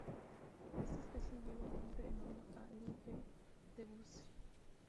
Esta especie lleva el nombre en honor a L. P. Debussy.